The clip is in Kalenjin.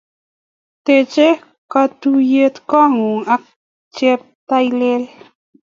Tech katuiyet ng'uung ak cheptailel